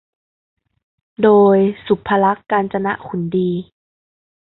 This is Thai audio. โดย สุภลักษณ์ กาญจนขุนดี